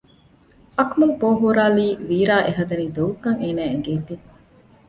އަކުމަލް ބޯ ހުރާލީ ވީރާ އެހަދަނީ ދޮގުކަން އޭނާއަށް އެނގޭތީ